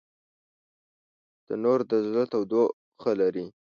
تنور د زړه تودوخه لري